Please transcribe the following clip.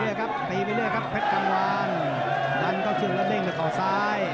ตีไปเรื่อยครับแพ็คกังวานดันเข้าเครื่องแล้วเด้งเหลือข่อซ้าย